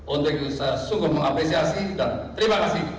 untuk itu saya sungguh mengapresiasi dan terima kasih